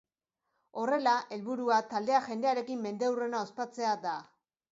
Horrela, helburua taldeak jendearekin mendeurrena ospatzea da.